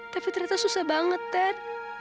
tapi ternyata susah banget ter